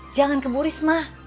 jangan ke bu risma